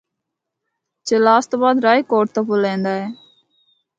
چلاس تو بعد رائےکوٹ دا پُل ایندا ہے۔